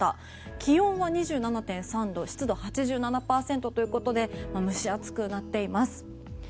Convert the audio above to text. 気温は２７．３度湿度８７％ということで蒸し暑くなっています。